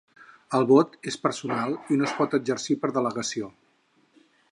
El vot és personal i no es pot exercir per delegació.